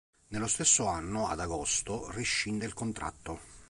Nello stesso anno, ad agosto, rescinde il contratto.